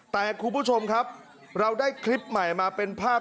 แต่คุณผู้ชมครับเราได้คลิปใหม่มาเป็นภาพ